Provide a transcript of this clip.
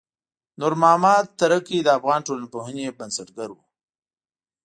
نورمحمد ترکی د افغان ټولنپوهنې بنسټګر و.